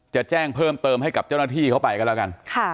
จะแจ้งเพิ่มเติมให้กับเจ้าหน้าที่เขาไปกันแล้วกัน